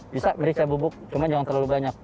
bisa meriksa bubuk cuma jangan terlalu banyak